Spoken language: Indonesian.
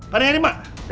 pada nyari emak